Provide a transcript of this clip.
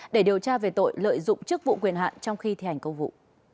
để điều tra về tội lợi dụng chức vụ quyền hạn trong khi thi hành công vụ